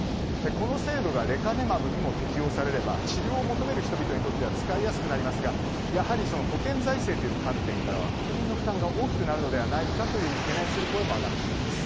この制度がレカネマブにも適用されれば治療を求める人にとっては使いやすくなりますがやはり保険財政という観点からは国民の負担が大きくなるのではないかという懸念の声も上がっているんです。